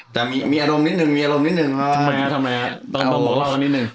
แต่มีมีอารมณ์นิดหนึ่งมีอารมณ์นิดหนึ่งเพราะว่าทำไมน่ะเหมือนต้องบอกแล้วนิดหนึ่ง